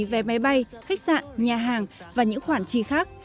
về máy bay khách sạn nhà hàng và những khoản chi khác